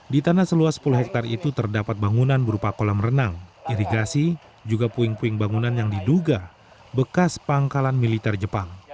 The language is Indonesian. di tanah seluas sepuluh hektare itu terdapat bangunan berupa kolam renang irigasi juga puing puing bangunan yang diduga bekas pangkalan militer jepang